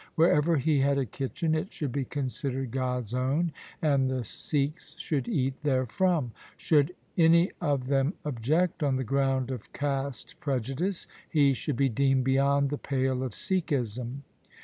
Wherever he had a kitchen, it should be considered God's own, and the Sikhs should eat therefrom. Should any of them object on the ground of caste prejudice, he should be deemed beyond the pale of Sikhism.